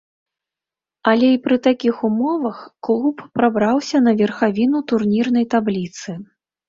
Але і пры такіх умовах клуб прабраўся на верхавіну турнірнай табліцы.